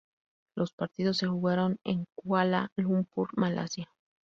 Los partidos se jugaron en Kuala Lumpur, Malasia.